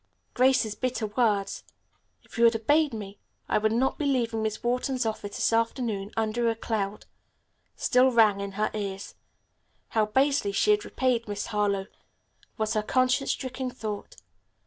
Grace's bitter words, "If you had obeyed me I would not be leaving Miss Wharton's office this afternoon, under a cloud," still rang in her ears. How basely she had repaid Miss Harlowe, was her conscience stricken thought.